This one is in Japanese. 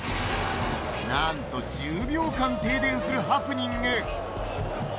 何と１０秒間停電するハプニング。